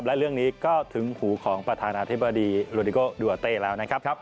และเรื่องนี้ก็ถึงหูของประธานาธิบดีลูดิโก๊ะดูวะเต้แล้ว